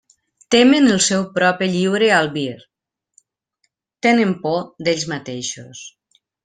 Temen el seu propi lliure albir; tenen por d'ells mateixos.